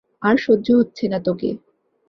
আর সহ্য হচ্ছে না তোকে।